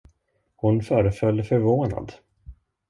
Hon föreföll förvånad.